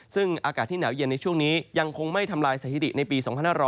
ซึ่งอากาศที่หนาวเย็นในช่วงนี้ยังคงไม่ทำลายสถิติในปี๒๕๖๐